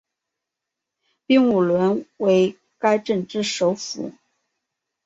彬乌伦为该镇之首府。